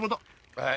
はい。